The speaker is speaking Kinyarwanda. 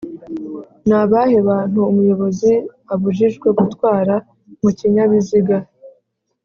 Nabahe bantu umuyobozi abujijwe gutwara mukinyabiziga